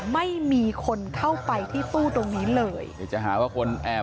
ไม่มีคนเข้าไปที่ตู้ตรงนี้เลยเดี๋ยวจะหาว่าคนแอบ